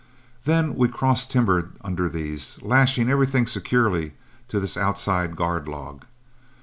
Then we cross timbered under these, lashing everything securely to this outside guard log.